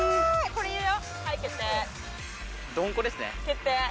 決定。